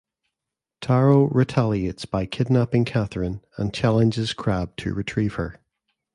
Taro retaliates by kidnapping Catherine and challenges Crab to retrieve her.